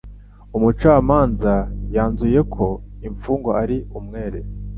Umucamanza yanzuye ko imfungwa ari umwere.